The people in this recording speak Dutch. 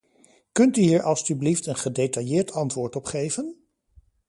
Kunt u hier alstublieft een gedetailleerd antwoord op geven?